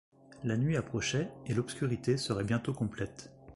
La nuit approchait, et l’obscurité serait bientôt complète.